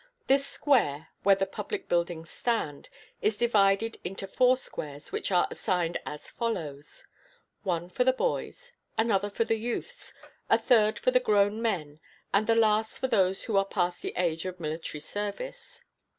This square, where the public buildings stand, is divided into four quarters which are assigned as follows: one for the boys, another for the youths, a third for the grown men, and the last for those who are past the age of military service.